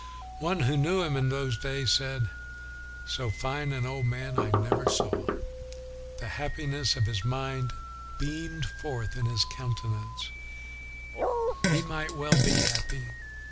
One who knew him in those days said, " So fine an old man I never saw. The happiness of his mind beamed forth in his countenance." He 3 i 8 WESLEY might well be happy.